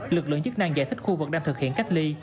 lực lượng chức năng giải thích khu vực đang thực hiện cách ly